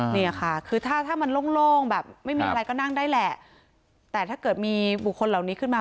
นี่ค่ะคือถ้าถ้ามันโล่งแบบไม่มีอะไรก็นั่งได้แหละแต่ถ้าเกิดมีบุคคลเหล่านี้ขึ้นมา